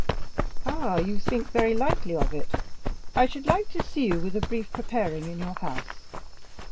"Ah, you think very lightly of it; I should like to see you with a brief preparing in your house."